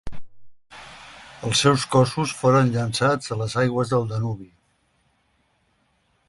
Els seus cossos foren llençats a les aigües del Danubi.